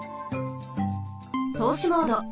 とうしモード。